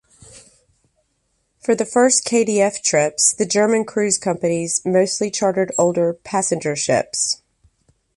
For the first KdF trips, the German cruise companies mostly chartered older passenger ships.